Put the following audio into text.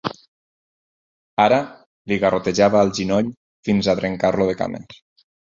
Ara li garrotejava el genoll fins a trencar-lo de cames.